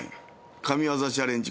神業チャレンジ